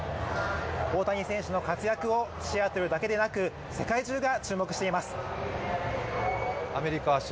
大谷選手の活躍をシアトルだけでなく、世界中が注目しています。